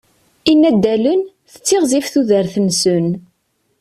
Inaddalen, tettiɣzif tudert-nsen.